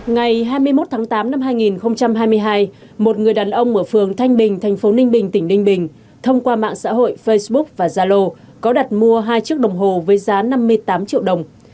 ngày hai mươi một tháng tám năm hai nghìn hai mươi hai một người đàn ông ở phường thanh bình thành phố ninh bình tỉnh ninh bình thông qua mạng xã hội facebook và zalo có đặt mua hai chiếc đồng hồ với giá năm mươi tám triệu đồng